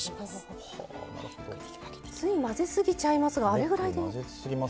つい混ぜすぎちゃいますがあれぐらいで。